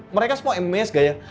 mereka semua ms gaya